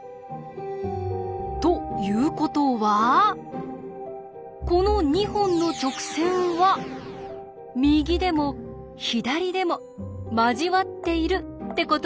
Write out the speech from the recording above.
ということはこの２本の直線は右でも左でも交わっているってことになります。